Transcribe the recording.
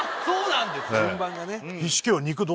そうなんです。